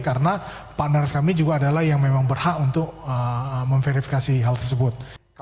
karena partner kami juga adalah yang memang berhak untuk memverifikasi hal tersebut